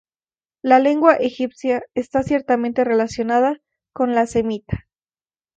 La lengua egipcia está ciertamente relacionada con la semita.